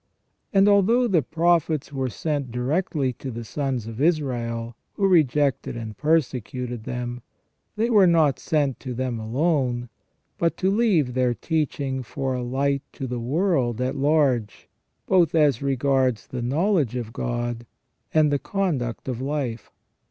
And although the prophets were sent directly to the sons of Israel, who rejected and persecuted them, they were not sent to them alone, but to leave their teaching for a light to the world at large, both as regards the knowledge of God and the conduct of life.